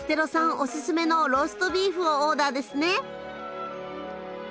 おススメのローストビーフをオーダーですね。